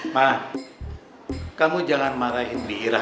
ma kamu jangan marahin bira